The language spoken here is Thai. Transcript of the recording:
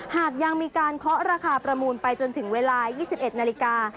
หากยังมีการเคาะราคาประมูลไปจนถึงเวลา๒๑นาฬิกา